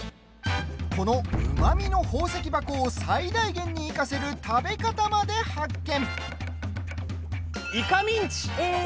このうまみの宝石箱を最大限に生かせる食べ方まで発見。